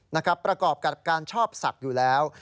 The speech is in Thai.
ประกอบกับการชอบศักดิ์อยู่แล้ว